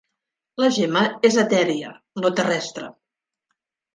La Gemma és etèria, no terrestre.